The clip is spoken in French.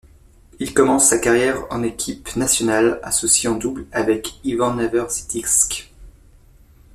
Il commence sa carrière en équipe nationale associé en double avec Ivan Neverzhitisk.